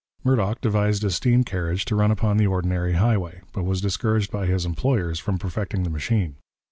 Murdock devised a steam carriage to run upon the ordinary highway, but was discouraged by his employers from perfecting the machine.